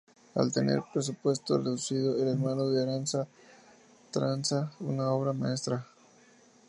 Al tener un presupuesto reducido, el hermano de Arana traza una obra maestra.